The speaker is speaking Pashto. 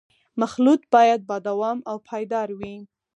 مخلوط باید با دوام او پایدار وي